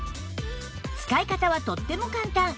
使い方はとっても簡単